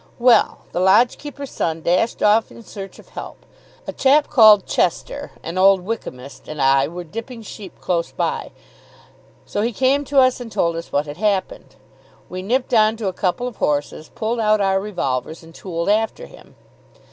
Well, the lodge keeper's son dashed off in search of help. A chap called Chester, an Old Wykehamist, and I were dipping sheep close by, so he came to us and told us what had happened. We nipped on to a couple of horses, pulled out our revolvers, and tooled after him.